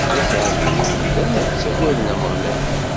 D aseɛdi umdan yettagwaden Ameɣlal.